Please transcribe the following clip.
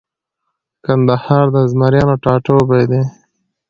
کندهار د زمریانو ټاټوبۍ دی